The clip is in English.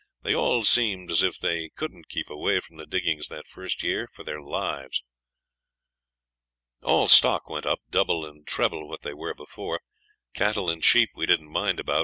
They all seemed as if they couldn't keep away from the diggings that first year for their lives. All stock went up double and treble what they were before. Cattle and sheep we didn't mind about.